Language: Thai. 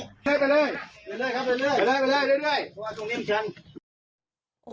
ไปเลยไปเลยไปเลยไปเลย